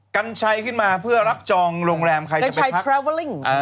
กันชัยขึ้นมาเพื่อรับจองโรงแรมใครจะไปพัก